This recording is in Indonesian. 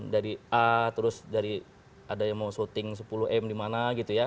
dari a terus dari ada yang mau syuting sepuluh m di mana gitu ya